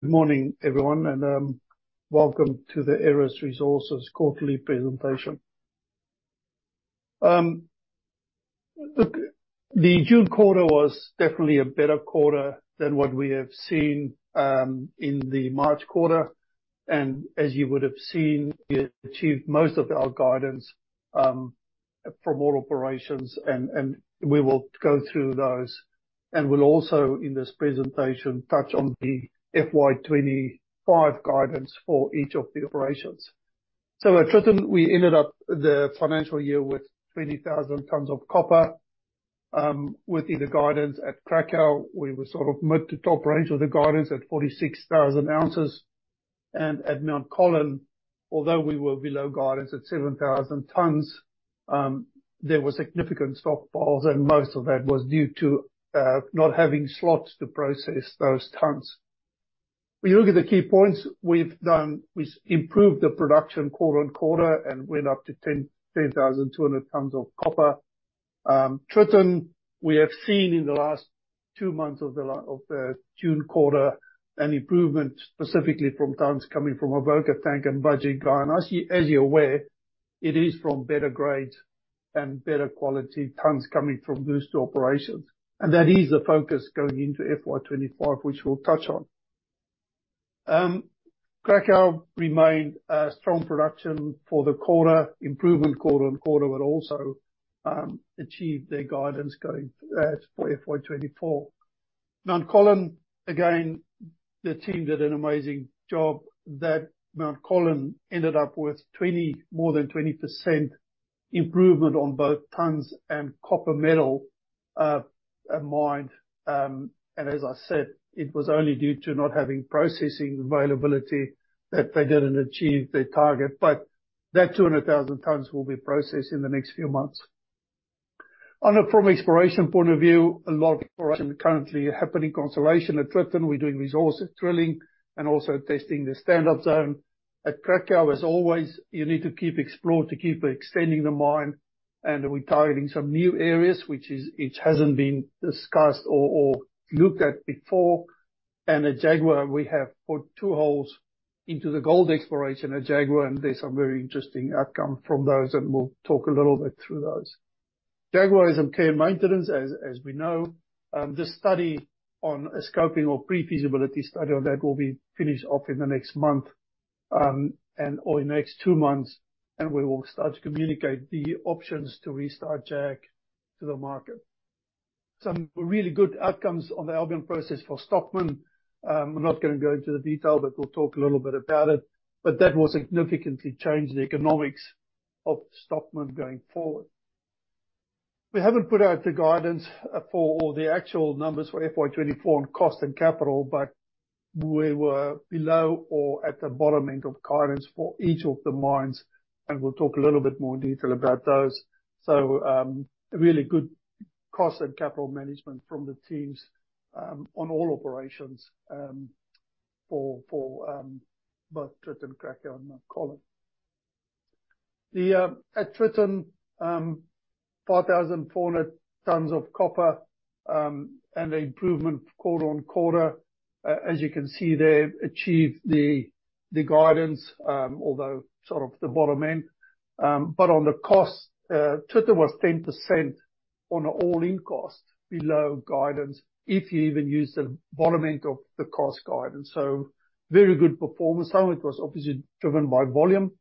Good morning, everyone, and welcome to the Aeris Resources quarterly presentation. Look, the June quarter was definitely a better quarter than what we have seen in the March quarter, and as you would have seen, we achieved most of our guidance from all operations, and we will go through those. And we'll also, in this presentation, touch on the FY 2025 guidance for each of the operations. So at Tritton, we ended up the financial year with 20,000 tons of copper within the guidance. At Cracow, we were sort of mid to top range of the guidance at 46,000 ounces. And at Mount Colin, although we were below guidance at 7,000 tons, there were significant stockpiles, and most of that was due to not having slots to process those tons. When you look at the key points, we've improved the production quarter-on-quarter and went up to 10,200 tons of copper. Tritton, we have seen in the last two months of the June quarter, an improvement, specifically from tons coming from Avoca Tank and Budgerygar. And as you, as you're aware, it is from better grades and better quality tons coming from those two operations. And that is the focus going into FY 2024, which we'll touch on. Cracow remained a strong production for the quarter, improvement quarter-on-quarter, but also achieved their guidance going for FY 2024. Mount Colin, again, the team did an amazing job that Mount Colin ended up with more than 20% improvement on both tons and copper metal at mine. And as I said, it was only due to not having processing availability that they didn't achieve their target, but that 200,000 tons will be processed in the next few months. On a prime exploration point of view, a lot of exploration currently happening. Constellation at Tritton, we're doing resource drilling and also testing the Stand-Up zone. At Cracow, as always, you need to keep explore to keep extending the mine, and we're targeting some new areas, which is it hasn't been discussed or, or looked at before. And at Jaguar, we have put two holes into the gold exploration at Jaguar, and there's some very interesting outcome from those, and we'll talk a little bit through those. Jaguar is on care and maintenance, as, as we know. The study on a scoping or pre-feasibility study on that will be finished off in the next month, and or in the next two months, and we will start to communicate the options to restart Jaguar to the market. Some really good outcomes on the Albion Process for Stockman. I'm not gonna go into the detail, but we'll talk a little bit about it, but that will significantly change the economics of Stockman going forward. We haven't put out the guidance for all the actual numbers for FY 2024 on cost and capital, but we were below or at the bottom end of guidance for each of the mines, and we'll talk a little bit more in detail about those. So, a really good cost and capital management from the teams, on all operations, for both Tritton, Cracow, and Mount Colin. At Tritton, 4,400 tons of copper, and an improvement quarter-over-quarter. As you can see, they've achieved the guidance, although sort of the bottom end. But on the cost, Tritton was 10% on an all-in cost below guidance, if you even use the bottom end of the cost guidance. So very good performance. Some of it was obviously driven by volume,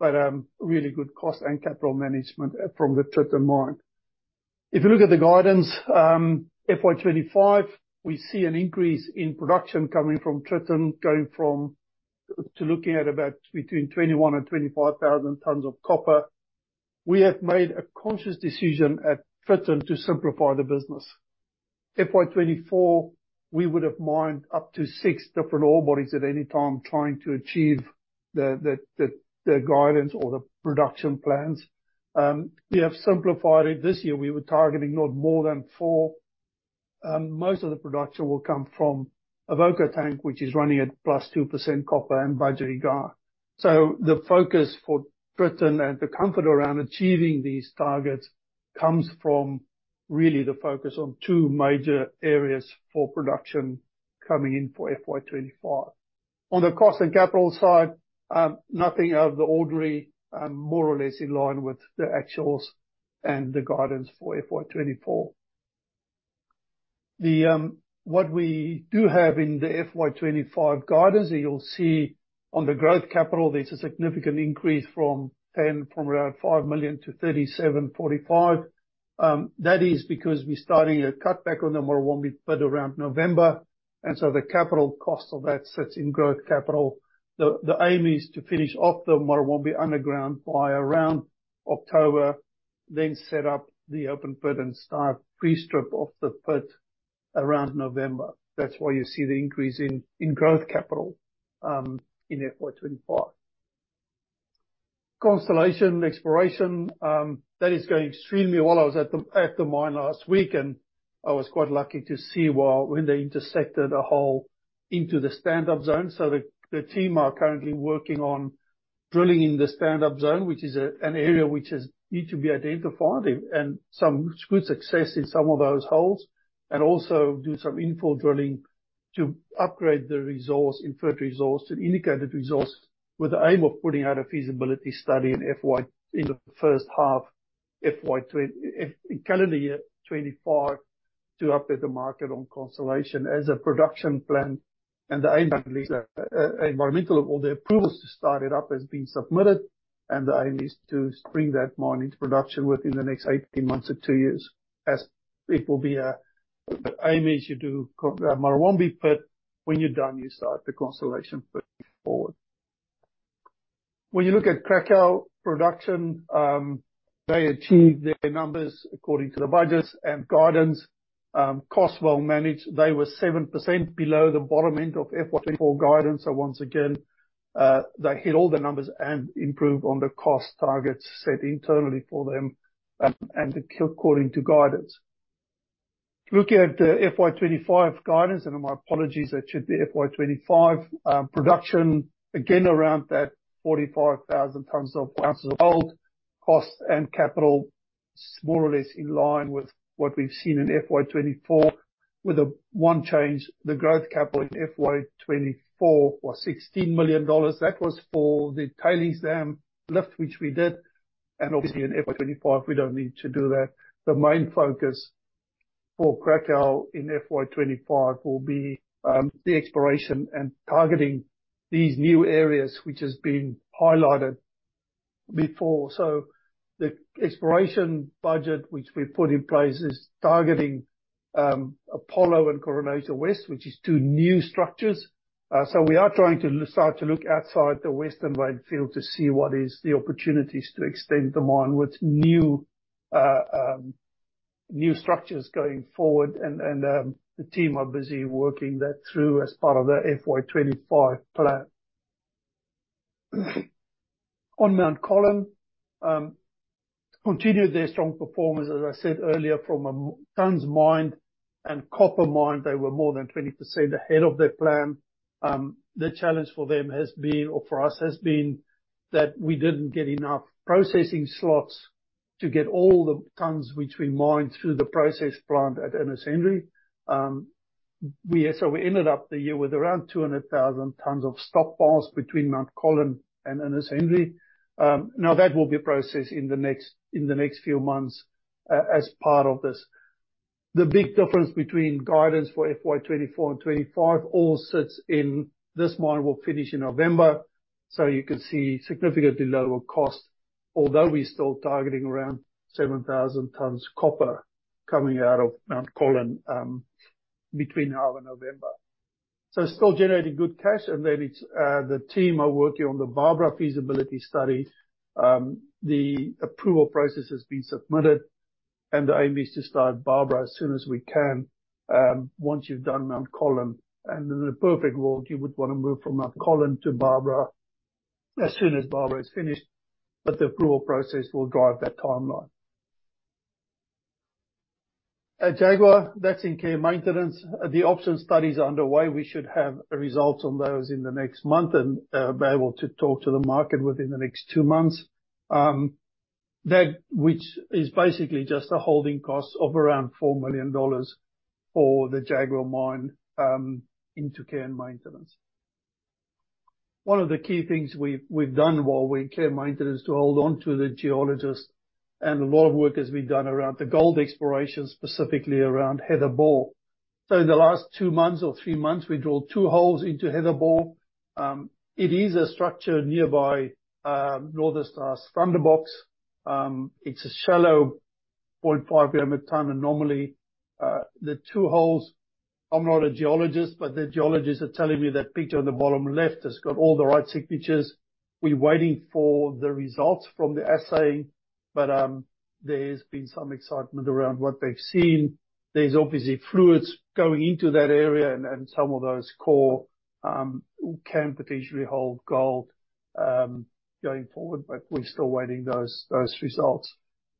but really good cost and capital management from the Tritton mine. If you look at the guidance, FY 2025, we see an increase in production coming from Tritton, going from to looking at about between 21,000 and 25,000 tons of copper. We have made a conscious decision at Tritton to simplify the business. FY 2024, we would've mined up to six different ore bodies at any time, trying to achieve the guidance or the production plans. We have simplified it. This year, we were targeting not more than four. Most of the production will come from Avoca Tank, which is running at +2% copper and Budgery. So the focus for Tritton and the comfort around achieving these targets comes from really the focus on two major areas for production coming in for FY 2025. On the cost and capital side, nothing out of the ordinary, more or less in line with the actuals and the guidance for FY 2024. What we do have in the FY 2025 guidance, you'll see on the growth capital, there's a significant increase from around 5 million to 37.45 million. That is because we're starting a cutback on the Murrawombie, but around November, and so the capital cost of that sits in growth capital. The aim is to finish off the Murrawombie underground by around October, then set up the open pit and start pre-strip off the pit around November. That's why you see the increase in growth capital in FY 25. Constellation exploration, that is going extremely well. I was at the mine last week, and I was quite lucky to see when they intersected a hole into the Stand-Up zone. So the team are currently working on drilling in the Stand-Up zone, which is an area which is yet to be identified, and some good success in some of those holes. And also do some infill drilling to upgrade the resource, inferred resource, to indicated resource, with the aim of putting out a feasibility study in FY, in the first half, FY 2025, to update the market on Constellation as a production plan. And the aim, at least, environmental, all the approvals to start it up has been submitted, and the aim is to bring that mine into production within the next 18 months to 2 years, as it will be, the aim is you do Murrawombie pit, when you're done, you start the Constellation pit forward. When you look at Cracow production, they achieved their numbers according to the budgets and guidance. Costs well managed. They were 7% below the bottom end of FY 2024 guidance. So once again, they hit all the numbers and improved on the cost targets set internally for them and, and according to guidance. Looking at the FY 2025 guidance, and my apologies, that should be FY 2025, production, again, around that 45,000 ounces of gold. Cost and capital, more or less in line with what we've seen in FY 2024, with the one change, the growth capital in FY 2024 was AUD 16 million. That was for the tailings dam lift, which we did, and obviously in FY 2025, we don't need to do that. The main focus for Cracow in FY 2025 will be the exploration and targeting these new areas, which has been highlighted before. The exploration budget, which we put in place, is targeting Apollo and Coronation West, which is two new structures. So we are trying to start to look outside the western mine field to see what is the opportunities to extend the mine with new, new structures going forward, and, and, the team are busy working that through as part of the FY 2025 plan. On Mount Colin, continued their strong performance, as I said earlier, from a tons mined and copper mined, they were more than 20% ahead of their plan. The challenge for them has been, or for us, has been that we didn't get enough processing slots to get all the tons which we mined through the process plant at Ernest Henry. So we ended up the year with around 200,000 tons of stockpiles between Mount Colin and Ernest Henry. Now, that will be processed in the next few months as part of this. The big difference between guidance for FY 2024 and 2025 all sits in, this mine will finish in November, so you could see significantly lower cost, although we're still targeting around 7,000 tons copper coming out of Mount Colin between now and November. So still generating good cash, and then it's the team are working on the Barbara feasibility study. The approval process has been submitted, and the aim is to start Barbara as soon as we can once you've done Mount Colin. And in a perfect world, you would wanna move from Mount Colin to Barbara as soon as Barbara is finished, but the approval process will drive that timeline. At Jaguar, that's in care and maintenance. The option studies are underway. We should have results on those in the next month, and be able to talk to the market within the next two months. That, which is basically just a holding cost of around 4 million dollars for the Jaguar mine into care and maintenance. One of the key things we've done while we're in care and maintenance, to hold on to the geologists, and a lot of work has been done around the gold exploration, specifically around Heather Bore. So in the last two months or three months, we drilled two holes into Heather Bore. It is a structure nearby Northern Star's Thunderbox. It's a shallow 0.5 kilometer line, and normally, the two holes, I'm not a geologist, but the geologists are telling me that picture on the bottom left has got all the right signatures. We're waiting for the results from the assay, but, there's been some excitement around what they've seen. There's obviously fluids going into that area, and some of those core can potentially hold gold, going forward, but we're still waiting those results.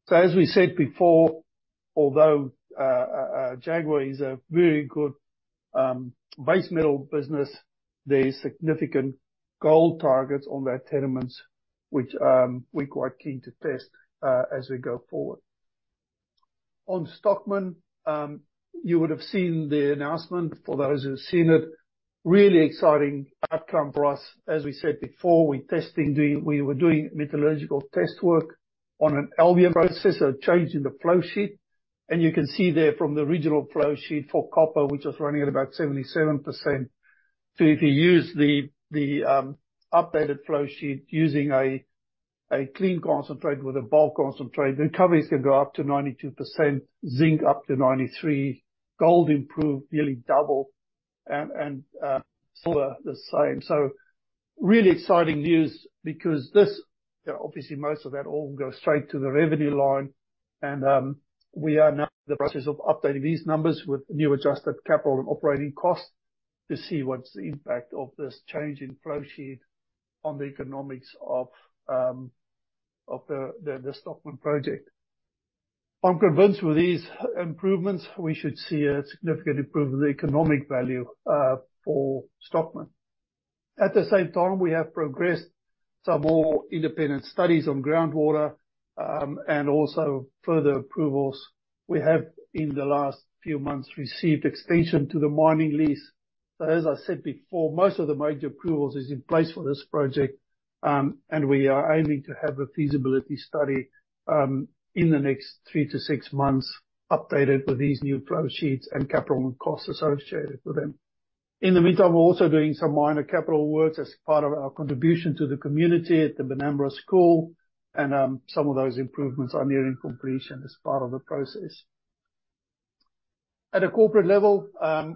So as we said before, although, Jaguar is a very good, base metal business, there is significant gold targets on their tenements, which, we're quite keen to test, as we go forward. On Stockman, you would have seen the announcement, for those who've seen it, really exciting outcome for us. As we said before, we were doing metallurgical test work on an Albion processor, changing the flow sheet. And you can see there from the original flow sheet for copper, which was running at about 77%. So if you use the updated flow sheet using a clean concentrate with a bulk concentrate, the recoveries can go up to 92%, zinc up to 93%, gold improved, nearly double, and silver the same. So really exciting news because this, you know, obviously most of that all go straight to the revenue line, and we are now in the process of updating these numbers with new adjusted capital and operating costs to see what's the impact of this change in flow sheet on the economics of the Stockman project. I'm convinced with these improvements, we should see a significant improvement in the economic value for Stockman. At the same time, we have progressed some more independent studies on groundwater and also further approvals. We have, in the last few months, received extension to the mining lease. So as I said before, most of the major approvals is in place for this project, and we are aiming to have a feasibility study in the next 3-6 months, updated with these new flow sheets and capital costs associated with them. In the meantime, we're also doing some minor capital works as part of our contribution to the community at the Benambra School, and some of those improvements are nearing completion as part of the process. At a corporate level,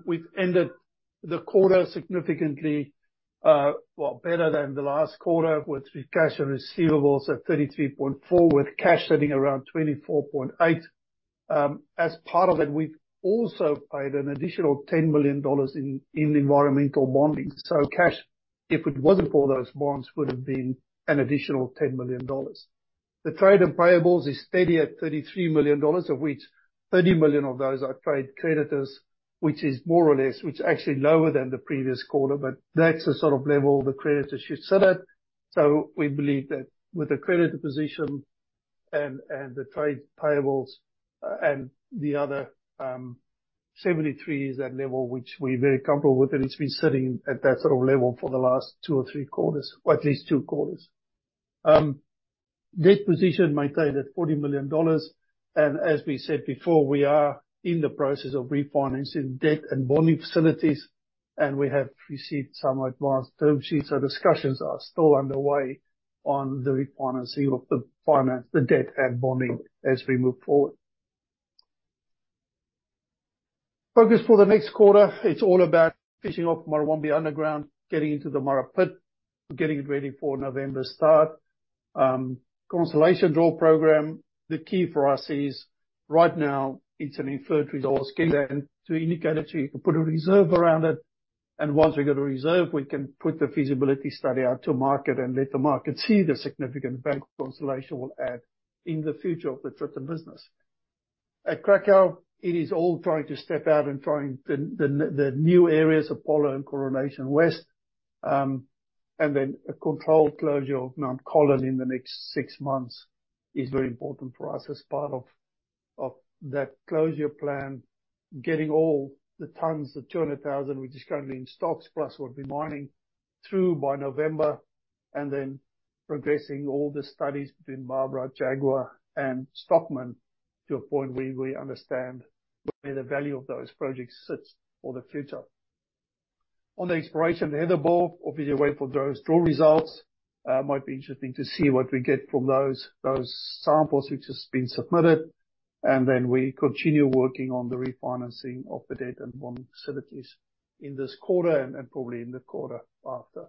we've ended the quarter significantly, well, better than the last quarter, with cash and receivables at 33.4 million, with cash sitting around 24.8 million. As part of that, we've also paid an additional 10 million dollars in environmental bonding. So cash, if it wasn't for those bonds, would have been an additional 10 million dollars. The trade and payables is steady at 33 million dollars, of which 30 million of those are trade creditors, which is more or less, which is actually lower than the previous quarter, but that's the sort of level the creditors should sit at. So we believe that with the creditor position and, and the trade payables, and the other, 73 is that level, which we're very comfortable with, and it's been sitting at that sort of level for the last 2 or 3 quarters, or at least 2 quarters. Debt position maintained at 40 million dollars, and as we said before, we are in the process of refinancing debt and bonding facilities, and we have received some advanced term sheets. So discussions are still underway on the refinancing of the finance, the debt, and bonding as we move forward. Focus for the next quarter, it's all about finishing off Murrawombie Underground, getting into the Murrawombie Pit, and getting it ready for November start. Constellation drill program, the key for us is, right now it's an inferred resource scale, and to indicate that you can put a reserve around it, and once we get a reserve, we can put the feasibility study out to market and let the market see the significant value Constellation will add in the future of the Tritton business. At Cracow, it is all trying to step out and trying the new areas, Apollo and Coronation West, and then a controlled closure of Mount Colin in the next six months is very important for us as part of that closure plan. Getting all the tons, the 200,000, which is currently in stockpiles, plus what we'll be mining, through by November, and then progressing all the studies between Barbara, Jaguar, and Stockman to a point where we understand where the value of those projects sits for the future. On the exploration of Heather Bore, obviously wait for those drill results. It might be interesting to see what we get from those, those samples which has been submitted. And then we continue working on the refinancing of the debt and bonding facilities in this quarter and, and probably in the quarter after.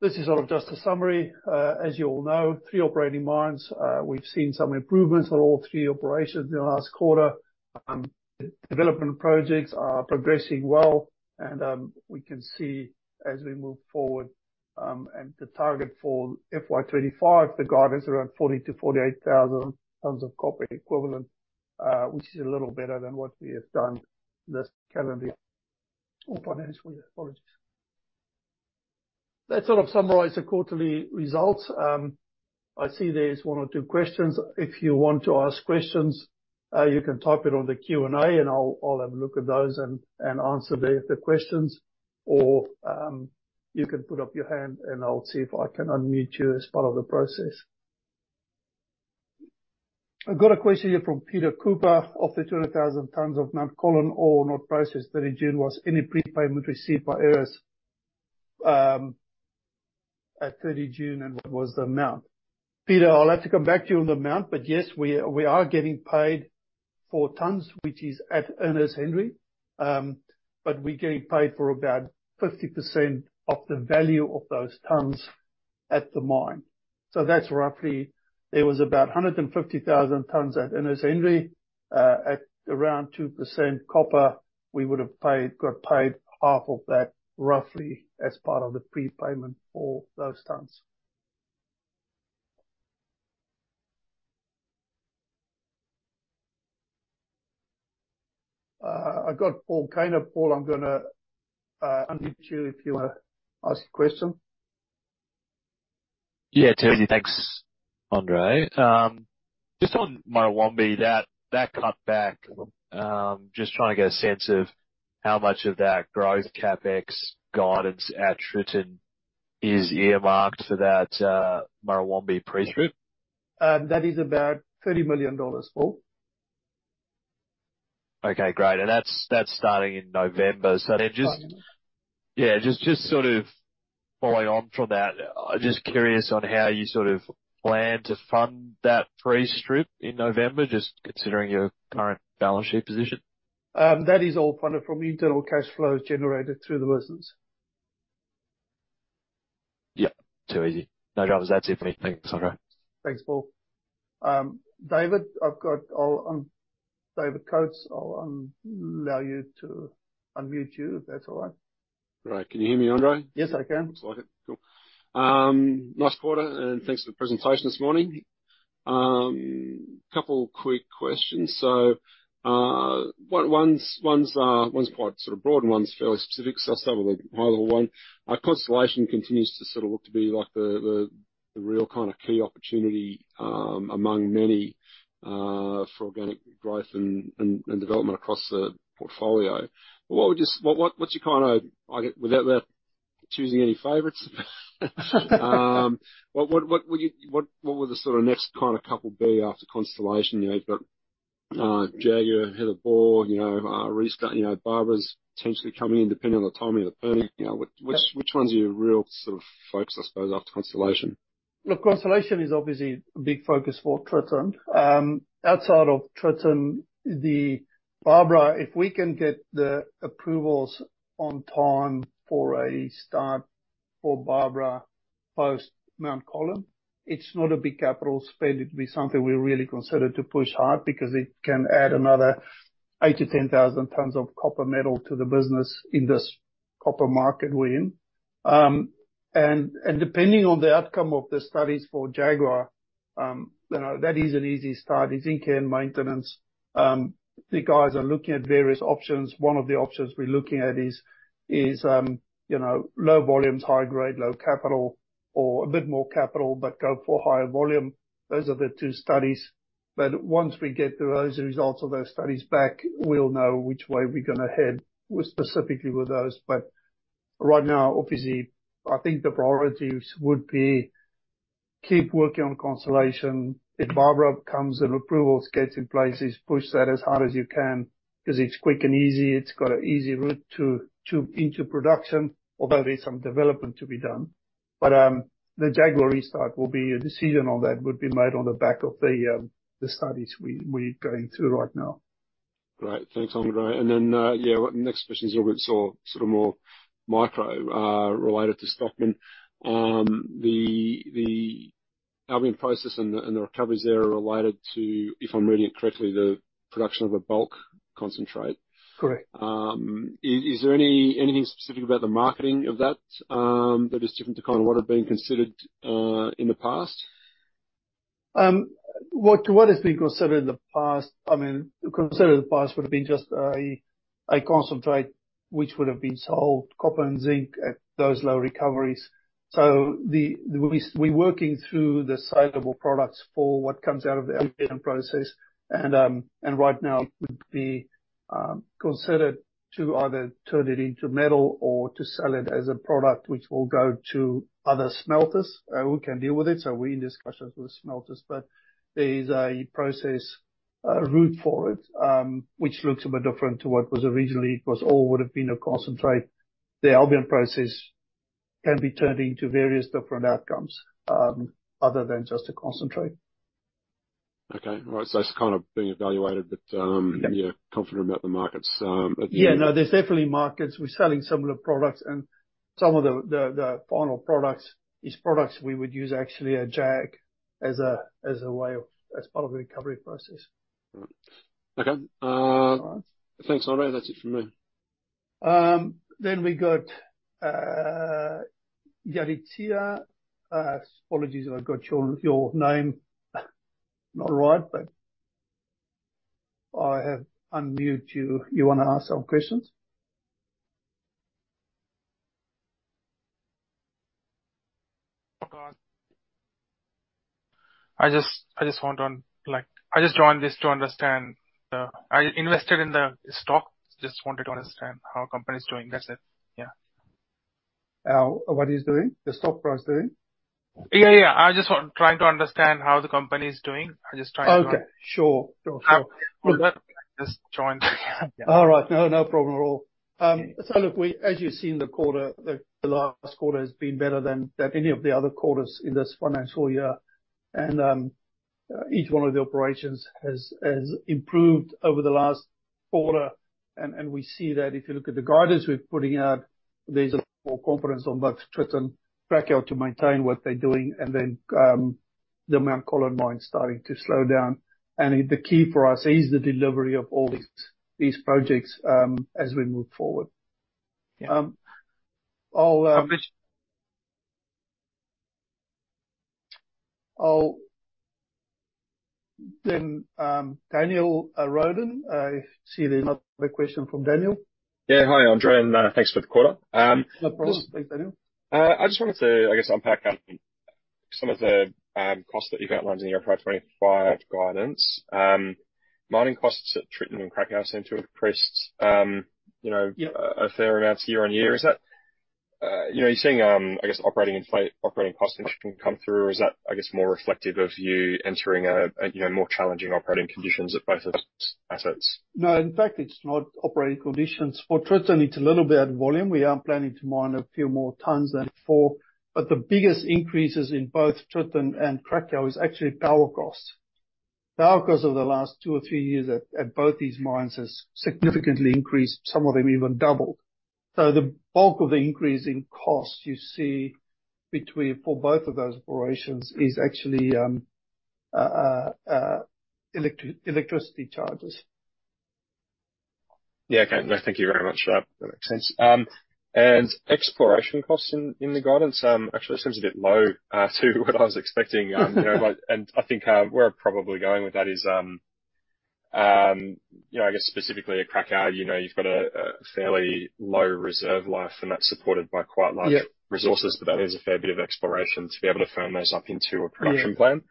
This is sort of just a summary. As you all know, 3 operating mines. We've seen some improvements on all 3 operations in the last quarter. The development projects are progressing well, and we can see as we move forward, and the target for FY 2025, the guidance around 40,000-48,000 tons of copper equivalent, which is a little better than what we have done this calendar year, or financial year. Apologies. That sort of summarizes the quarterly results. I see there's one or two questions. If you want to ask questions, you can type it on the Q&A, and I'll have a look at those and answer the questions. Or, you can put up your hand, and I'll see if I can unmute you as part of the process. I've got a question here from Peter Cooper: "Of the 200,000 tons of Mount Colin ore not processed, June 30, was any prepayment received by Ernest Henry at 30 June, and what was the amount?" Peter, I'll have to come back to you on the amount, but yes, we are getting paid for tons, which is at Ernest Henry. But we're getting paid for about 50% of the value of those tons at the mine. So that's roughly, it was about 150,000 tons at Ernest Henry, at around 2% copper. We got paid half of that, roughly, as part of the prepayment for those tons. I've got Paul Kaner. Paul, I'm gonna unmute you if you wanna ask a question. Yeah, Terry. Thanks, Andre. Just on Murrawombie, that cutback, just trying to get a sense of how much of that growth CapEx guidance at Tritton is earmarked for that, Murrawombie pre-strip? That is about 30 million dollars, Paul. Okay, great. And that's, that's starting in November. Yes. So then yeah, just sort of following on from that, I'm just curious on how you sort of plan to fund that pre-strip in November, just considering your current balance sheet position. That is all funded from internal cash flows generated through the business. Yeah, too easy. No worries. That's it for me. Thanks, Andre. Thanks, Paul. David, I've got... I'll unmute you. David Coates, I'll allow you to unmute you, if that's all right. Great. Can you hear me, André? Yes, I can. Looks like it. Cool. Nice quarter, and thanks for the presentation this morning. Couple quick questions. So, one is quite sort of broad, and one is fairly specific, so I'll start with the high-level one. Constellation continues to sort of look to be, like, the real kind of key opportunity among many for organic growth and development across the portfolio. But what would you-what's your kind of, I guess, without choosing any favorites? What would the sort of next kind of couple be after Constellation? You know, you've got Jaguar ahead of bore, you know, restart, you know, Barbara's potentially coming in, depending on the timing of the permit. You know, which ones are you really sort of focused, I suppose, after Constellation? Look, Constellation is obviously a big focus for Tritton. Outside of Tritton, the Barbara, if we can get the approvals on time for a start for Barbara post Mount Colin, it's not a big capital spend. It'll be something we really consider to push hard, because it can add another 8,000-10,000 tons of copper metal to the business in this copper market we're in. And depending on the outcome of the studies for Jaguar, you know, that is an easy start. It's in care and maintenance. The guys are looking at various options. One of the options we're looking at is, you know, low volumes, high grade, low capital, or a bit more capital, but go for higher volume. Those are the two studies. But once we get those results of those studies back, we'll know which way we're gonna head, well, specifically with those. But right now, obviously, I think the priorities would be keep working on Constellation. If Barbara comes and approvals gets in place, is push that as hard as you can, because it's quick and easy, it's got an easy route to into production, although there's some development to be done. But the Jaguar restart will be a decision on that would be made on the back of the studies we're going through right now. Great. Thanks, André. And then, yeah, the next question is sort of, sort of more micro, related to Stockman. The Albion Process and the recoveries there are related to, if I'm reading it correctly, the production of a bulk concentrate. Correct. Is there anything specific about the marketing of that that is different to kind of what had been considered in the past? What has been considered in the past, I mean, considered in the past would have been just a concentrate which would have been sold, copper and zinc, at those low recoveries. So we, we're working through the saleable products for what comes out of the Albion Process. And, and right now it would be considered to either turn it into metal or to sell it as a product which will go to other smelters, who can deal with it. So we're in discussions with the smelters. But there is a process route for it, which looks a bit different to what was originally. It was all would have been a concentrate. The Albion Process can be turned into various different outcomes, other than just a concentrate. Okay. All right. So it's kind of being evaluated, but, Yeah... you're confident about the markets at the moment? Yeah, no, there's definitely markets. We're selling similar products and some of the final products is products we would use actually at Jag as a way of, as part of the recovery process. Okay. Uh- All right. Thanks, André. That's it for me. Then we got Yaritza. Apologies, I've got your name not right, but I have unmuted you. You wanna ask some questions? I just, I just want to, like... I just joined this to understand, I invested in the stock, just wanted to understand how company is doing. That's it. Yeah. What is doing? The stock price doing? Yeah, yeah. Trying to understand how the company is doing. I'm just trying to- Okay. Sure. Sure, sure. Well, that just joined. All right. No, no problem at all. Yeah. So look, as you've seen the quarter, the last quarter has been better than any of the other quarters in this financial year. Each one of the operations has improved over the last quarter, and we see that if you look at the guidance we're putting out, there's more confidence on both Tritton, Cracow to maintain what they're doing, and then, the Mount Colin mine starting to slow down. The key for us is the delivery of all these projects as we move forward. Yeah. I'll, Which- I'll... Then, Daniel Rhoden. I see there's another question from Daniel. Yeah. Hi, Andre, and thanks for the quarter. No problem. Thanks, Daniel. I just wanted to, I guess, unpack on some of the costs that you've outlined in your 525 guidance. Mining costs at Tritton and Cracow seem to have increased, you know- Yeah... a fair amount year on year. Is that, you know, you're seeing, I guess, operating cost inflation come through, or is that, I guess, more reflective of you entering a you know more challenging operating conditions at both those assets? No, in fact, it's not operating conditions. For Tritton, it's a little bit of volume. We are planning to mine a few more tons than before, but the biggest increases in both Tritton and Cracow is actually power costs. Power costs over the last two or three years at both these mines has significantly increased, some of them even doubled. So the bulk of the increase in cost you see between, for both of those operations is actually electricity charges. Yeah, okay. No, thank you very much. That, that makes sense. And exploration costs in the guidance actually seems a bit low to what I was expecting, you know, but—and I think where I'm probably going with that is, you know, I guess specifically at Cracow, you know, you've got a fairly low reserve life, and that's supported by quite large- Yeah resources, but that is a fair bit of exploration to be able to firm those up into a production plan.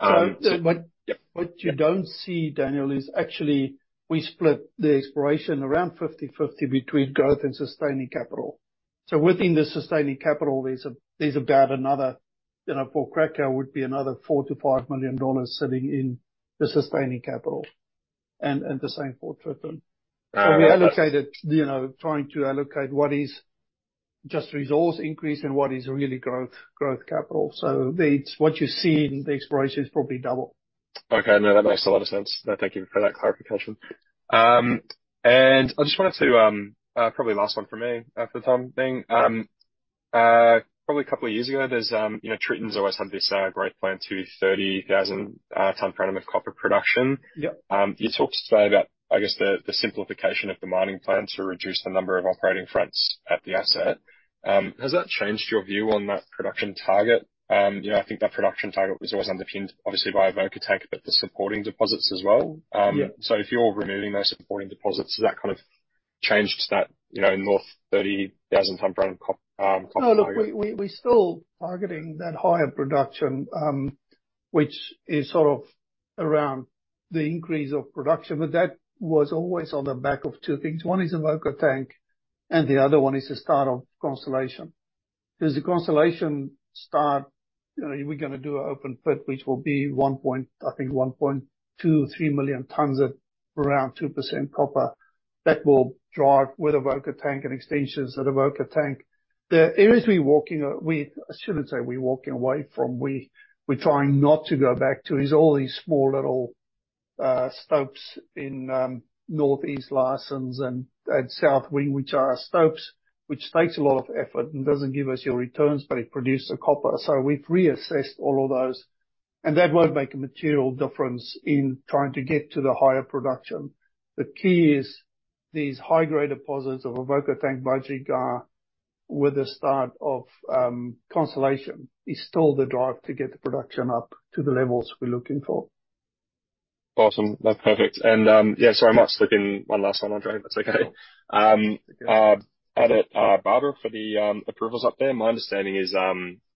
Yeah. Um, so- But- Yeah. What you don't see, Daniel, is actually we split the exploration around 50/50 between growth and sustaining capital. So within the sustaining capital, there's about another, you know, for Cracow, would be another 4 million-5 million dollars sitting in the sustaining capital, and the same for Tritton. Uh- So we allocated, you know, trying to allocate what is just resource increase and what is really growth, growth capital. So the, what you see in the exploration is probably double. Okay. No, that makes a lot of sense. No, thank you for that clarification. And I just wanted to, probably last one from me, for the time being. Probably a couple of years ago, there's, you know, Tritton's always had this, great plan to 30,000 tons per annum of copper production. Yep. You talked today about, I guess, the simplification of the mining plan to reduce the number of operating fronts at the asset. Has that changed your view on that production target? You know, I think that production target was always underpinned, obviously, by Avoca Tank, but the supporting deposits as well. Yeah. If you're removing those supporting deposits, does that kind of change that, you know, north 30,000 ton per annum copper target? No, look, we're still targeting that higher production, which is sort of around the increase of production, but that was always on the back of two things. One is Avoca Tank, and the other one is the start of Constellation. Because the Constellation start, you know, we're gonna do an open pit, which will be 1.2 or 3 million tons at around 2% copper. That will drive with Avoca Tank and extensions at Avoca Tank. The areas we're walking, I shouldn't say we're walking away from, we're trying not to go back to, is all these small, little stopes in Northeast license and South Wing, which are our stopes, which takes a lot of effort and doesn't give us your returns, but it produces copper. So we've reassessed all of those, and that won't make a material difference in trying to get to the higher production. The key is these high-grade deposits of Avoca Tank, Murrawombie, with the start of Constellation, is still the drive to get the production up to the levels we're looking for. Awesome. That's perfect. Yeah. Yeah, sorry, I might slip in one last one, Andre, if that's okay? Sure. At Barbara, for the approvals up there, my understanding is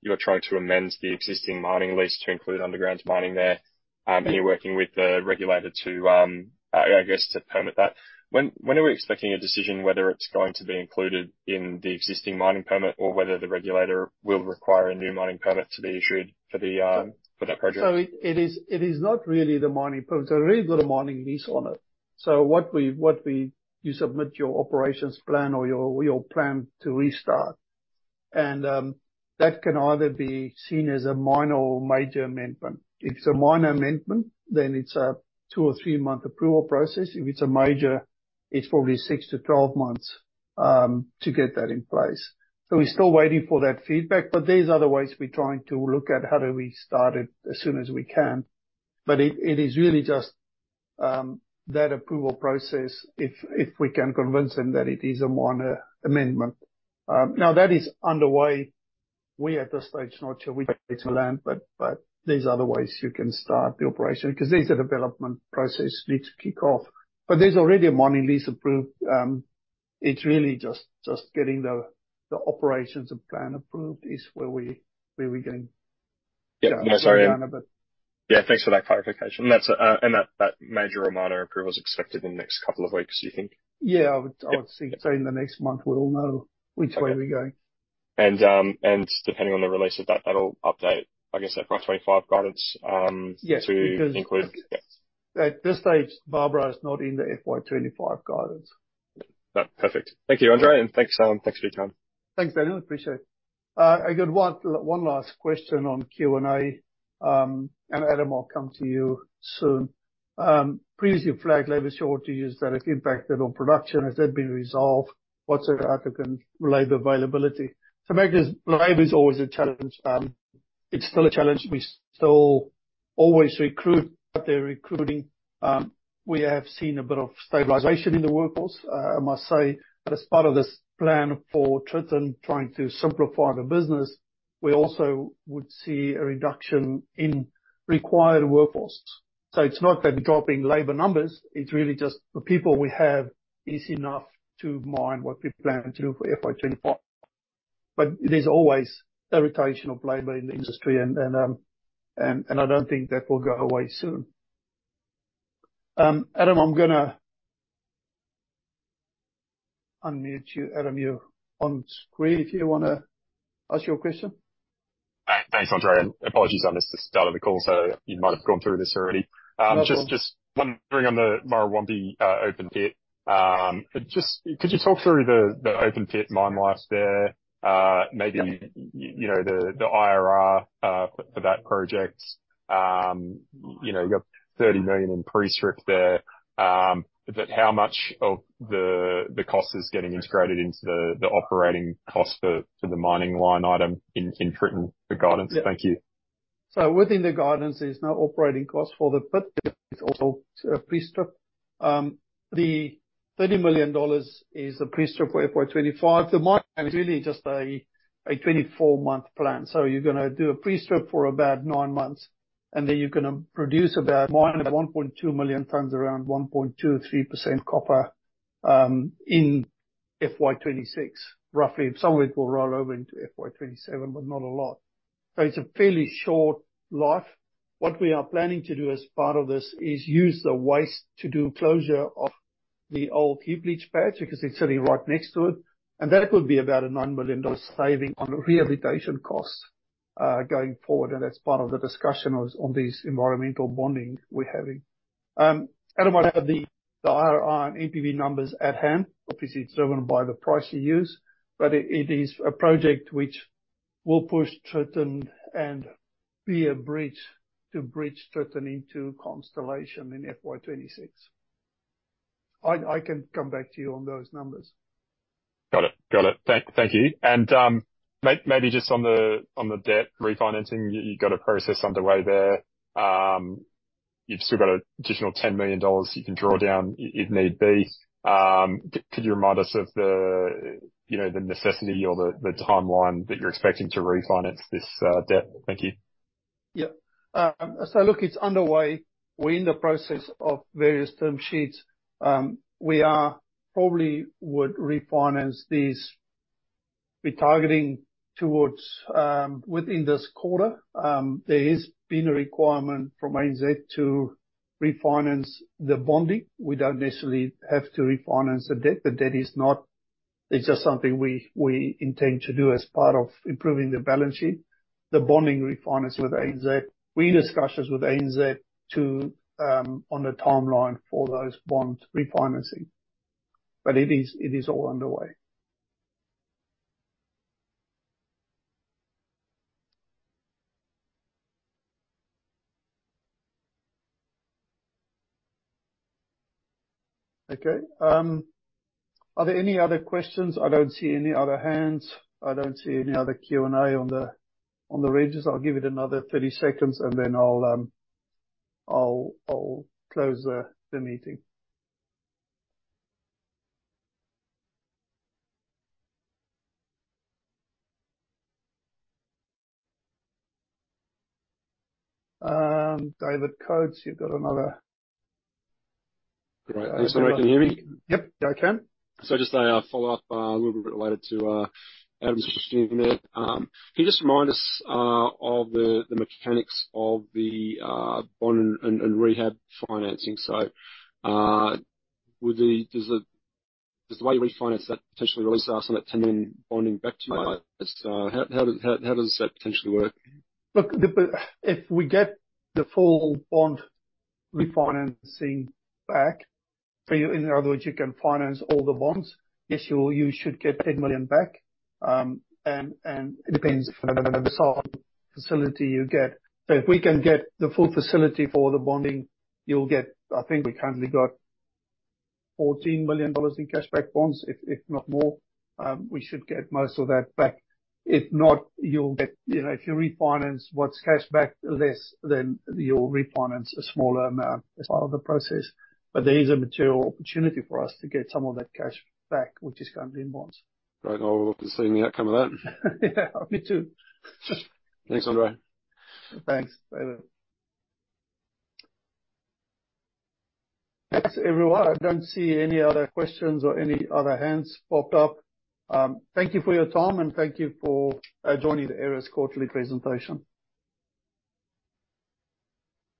you're trying to amend the existing mining lease to include underground mining there. Yeah. And you're working with the regulator to, I guess, to permit that. When are we expecting a decision whether it's going to be included in the existing mining permit or whether the regulator will require a new mining permit to be issued for the, for that project? So it is not really the mining permit. It's already got a mining lease on it. So what we-- You submit your operations plan or your plan to restart, and that can either be seen as a minor or major amendment. If it's a minor amendment, then it's a 2 or 3 month approval process. If it's a major, it's probably 6-12 months to get that in place. So we're still waiting for that feedback, but there's other ways we're trying to look at how do we start it as soon as we can. But it is really just that approval process, if we can convince them that it is a minor amendment. Now, that is underway. We, at this stage, not sure we... to learn, but there's other ways you can start the operation, 'cause there's a development process needs to kick off. But there's already a mining lease approved, it's really just getting the operations and plan approved is where we're going. Yeah. No, sorry- But- Yeah, thanks for that clarification. That's, and that major or minor approval is expected in the next couple of weeks, do you think? Yeah. Yeah. I would say in the next month we'll know which way we're going. Okay. And depending on the release of that, that'll update, I guess, that FY 25 guidance. Yes... to include. Yeah. At this stage, Barbara is not in the FY 25 guidance. No. Perfect. Thank you, Andre, and thanks, thanks for your time. Thanks, Daniel. Appreciate it. I got one last question on Q&A, and Adam, I'll come to you soon. Previously flagged labor shortages that has impacted on production, has that been resolved? What's your African labor availability? To make this, labor is always a challenge. It's still a challenge. We still always recruit, out there recruiting. We have seen a bit of stabilization in the workforce. I must say, as part of this plan for Tritton trying to simplify the business, we also would see a reduction in required workforce. So it's not that we're dropping labor numbers, it's really just the people we have is enough to mine what we plan to do for FY 25. But there's always a rotation of labor in the industry, and I don't think that will go away soon. Adam, I'm gonna unmute you. Adam, you're on screen if you wanna ask your question. Thanks, André, and apologies, I missed the start of the call, so you might have gone through this already. No problem. Just wondering on the Murrawombie open pit, could you talk through the open pit mine life there? Yeah ... maybe, you know, the IRR for that project? You know, you got 30 million in pre-strip there, but how much of the cost is getting integrated into the operating cost for the mining line item in Tritton, the guidance? Thank you. So within the guidance, there's no operating cost for the pit. It's also a pre-strip. The 30 million dollars is a pre-strip for FY 2025. The mine is really just a 24-month plan. So you're gonna do a pre-strip for about nine months, and then you're gonna produce about mining 1.2 million tons, around 1.2-3% copper, in FY 2026, roughly. Some of it will roll over into FY 2027, but not a lot. So it's a fairly short life. What we are planning to do as part of this, is use the waste to do closure of the old heap leach pads, because it's sitting right next to it, and that could be about a 9 million dollars saving on rehabilitation costs, going forward. And that's part of the discussion on this environmental bonding we're having. I don't have the IRR and NPV numbers at hand. Obviously, it's driven by the price you use, but it is a project which will push Tritton and be a bridge to bridge Tritton into Constellation in FY 2026. I can come back to you on those numbers. Got it. Got it. Thank you. Maybe just on the debt refinancing, you got a process underway there. You've still got an additional 10 million dollars you can draw down if need be. Could you remind us of the, you know, the necessity or the timeline that you're expecting to refinance this debt? Thank you. Yeah. So look, it's underway. We're in the process of various term sheets. We are probably would refinance these, be targeting towards, within this quarter. There has been a requirement from ANZ to refinance the bonding. We don't necessarily have to refinance the debt. The debt is not. It's just something we, we intend to do as part of improving the balance sheet, the bonding refinance with ANZ. We're in discussions with ANZ to, on the timeline for those bond refinancing, but it is, it is all underway. Okay, are there any other questions? I don't see any other hands. I don't see any other Q&A on the, on the register. I'll give it another 30 seconds, and then I'll, I'll, I'll close the, the meeting. David Coates, you've got another- Great. Can everybody hear me? Yep, I can. So just a follow-up, a little bit related to Adam's question there. Can you just remind us of the mechanics of the bond and rehab financing? So, would the—does the way you refinance that potentially release us on that 10 million bonding back to you? How does that potentially work? Look, but if we get the full bond refinancing back, so in other words, you can finance all the bonds, yes, you should get 10 million back. And it depends on the size of facility you get. So if we can get the full facility for the bonding, you'll get, I think we've currently got 14 million dollars in cash back bonds, if not more, we should get most of that back. If not, you'll get, you know, if you refinance what's cashed back less, then you'll refinance a smaller amount as part of the process. But there is a material opportunity for us to get some of that cash back, which is currently in bonds. Great. Well, we're looking to seeing the outcome of that. Yeah, me too. Thanks, Andre. Thanks, David. Thanks, everyone. I don't see any other questions or any other hands popped up. Thank you for your time, and thank you for joining the Aeris quarterly presentation.